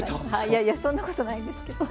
いやいやそんなことないんですけど。